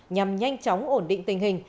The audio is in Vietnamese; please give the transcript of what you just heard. nhằm nhanh chóng ổn định tình hình